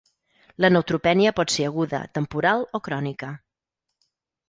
La neutropènia pot ser aguda, temporal o crònica.